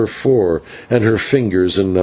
4, and her fingers in No.